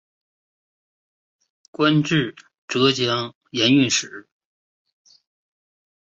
官至浙江盐运使。